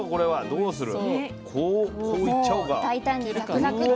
どうする？